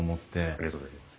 ありがとうございます。